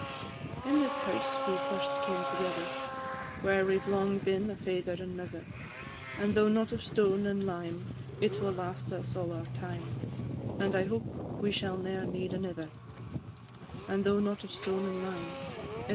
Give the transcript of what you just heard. In this house we first came together, Where we 've long been a father and mither; And though not of stone and lime, It will last us all our time; And I hope we shall ne'er need anither; And though not of stone and lime, &c.